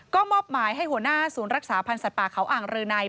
ก็มอบหมายให้หัวหน้าศูนย์รักษาพันธ์สัตว์ป่าเขาอ่างรือใน